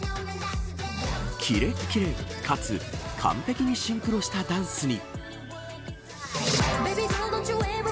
キレキレかつ完璧にシンクロしたダンスに。